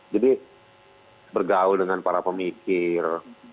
jadi bergaul dengan para pemikir